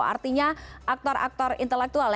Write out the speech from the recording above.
artinya aktor aktor intelektualnya